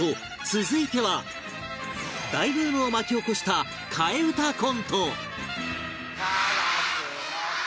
続いては大ブームを巻き起こした替え歌コント